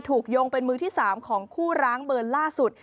ยงเป็นมือที่๓ของคู่ร้างเบอร์ล่าสุด